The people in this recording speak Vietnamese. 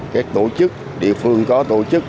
các tổ chức địa phương có tổ chức